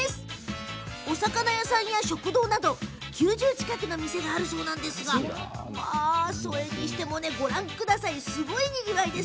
お魚屋さんや食堂など９０近くの店があるそうなんですがそれにしても、すごいにぎわい！